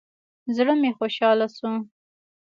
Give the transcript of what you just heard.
زړه مې خوشاله سو.